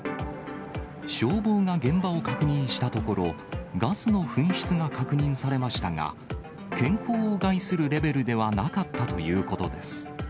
消防が現場を確認したところ、ガスの噴出が確認されましたが、健康を害するレベルではなかったということです。